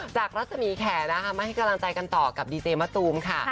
รัศมีแขนะคะมาให้กำลังใจกันต่อกับดีเจมะตูมค่ะ